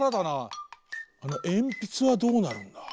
あのえんぴつはどうなるんだ？